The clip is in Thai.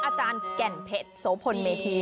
อาจารย์แก่นเพชรโสพลเมธี